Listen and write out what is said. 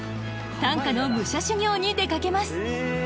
短歌の武者修行に出かけます！